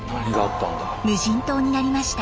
無人島になりました。